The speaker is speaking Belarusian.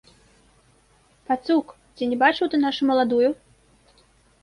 Пацук, ці не бачыў ты нашу маладую?